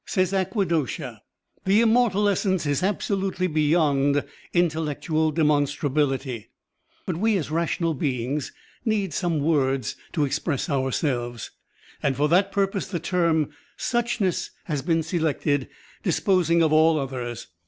Says Agvaghosha, "The Immortal Essence is absolutely beyond intellectual demon strabiUty, but we as rational beings need some words to express ourselves, and for that purpose the term *suchness* has been selected, disposing of all others."